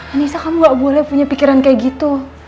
anissa kamu gak boleh punya pikiran kayak gitu